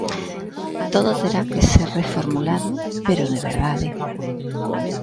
Todo terá que ser reformulado, pero de verdade.